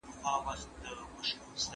هغه د اصلاح لپاره خبرې کولې.